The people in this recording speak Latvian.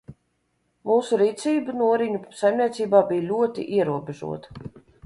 Mūsu rīcība Noriņu saimniecībā bij ļoti ierobežota.